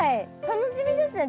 楽しみですね